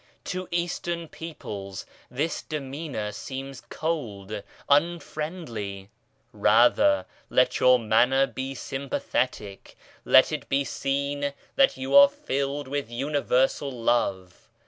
To Eastern peoples this demeanour seems cold, unfriendly. Rather let your manner be sympathetic. Let it be seen that you are filled with Universal Love.